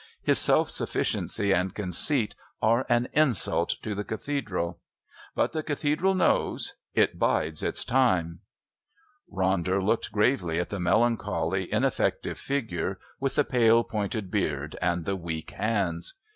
His self sufficiency and conceit are an insult to the Cathedral. But the Cathedral knows. It bides its time." Ronder looked gravely at the melancholy, ineffective figure with the pale pointed beard, and the weak hands.